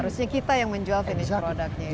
harusnya kita yang menjual finished product nya itu